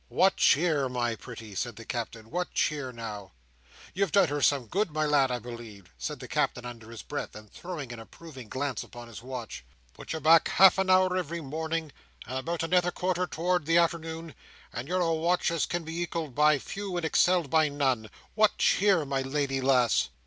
"What cheer, my pretty?" said the Captain. "What cheer now? You've done her some good, my lad, I believe," said the Captain, under his breath, and throwing an approving glance upon his watch. "Put you back half an hour every morning, and about another quarter towards the arternoon, and you're a watch as can be ekalled by few and excelled by none. What cheer, my lady lass!"